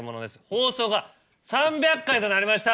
放送が３００回となりました！